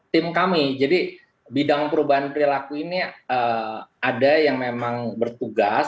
tim kami jadi bidang perubahan perilaku ini ada yang memang bertugas